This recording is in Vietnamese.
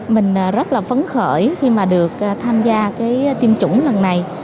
mình rất là phấn khởi khi mà được tham gia cái tiêm chủng lần này